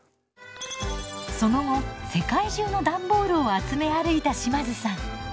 その後世界中の段ボールを集め歩いた島津さん。